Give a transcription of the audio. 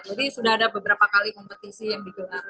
sudah ada beberapa kali kompetisi yang digelar